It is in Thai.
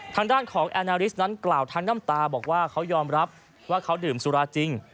ทางด้านของแอนาริสนั้นกล่าวทั้งน้ำตาบอกว่าเขายอมรับว่าเขาดื่มสุราจริง